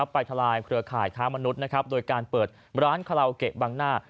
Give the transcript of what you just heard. ทลายเครือข่ายค้ามนุษย์โดยการเปิดร้านคาราโอเกะบางหน้า